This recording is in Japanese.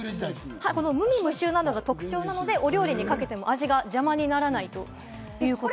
無味無臭なのが特徴なのでお料理にかけても味が邪魔にならないんです。